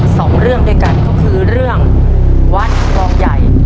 สองเรื่องด้วยกันก็คือเรื่องวัดคลองใหญ่